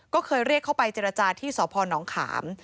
ก็เคยเรียกเข้าไปเจรจาที่สพนขาม